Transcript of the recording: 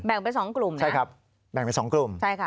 แบ่งไป๒กลุ่มนะครับแบ่งไป๒กลุ่มใช่ค่ะ